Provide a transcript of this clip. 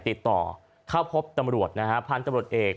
ติดต่อเข้าพบตำรวจนะฮะพันธุ์ตำรวจเอก